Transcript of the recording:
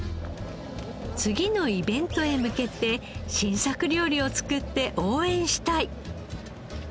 次のイベントへ向けて新作料理を作って応援したい。